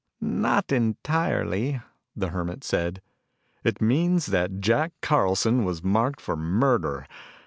"Not entirely," the Hermit said. "It means that Jack Carlson was marked for murder.